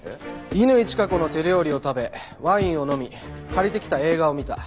「乾チカ子の手料理を食べワインを飲み借りてきた映画を見た。